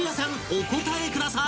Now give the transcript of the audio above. お答えください！